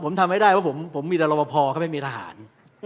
ไม่ได้ว่าผมมีราวพอร์ก็ไม่มีทหาร